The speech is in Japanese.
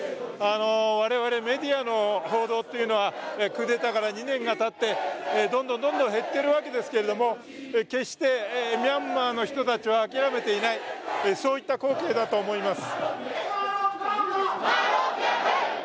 我々メディアの報道というのは、クーデターから２年がたってどんどん減っているわけですけれども、決してミャンマーの人たちは諦めていない、そういった光景だと思います。